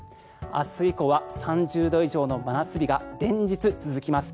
明日以降は３０度以上の真夏日が連日続きます。